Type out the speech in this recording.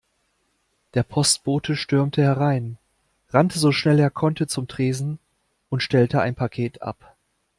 Der Postbote stürmte herein, rannte so schnell er konnte zum Tresen und stellte ein Paket ab.